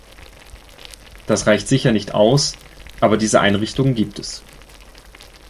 Das reicht sicher nicht aus, aber diese Einrichtungen gibt es.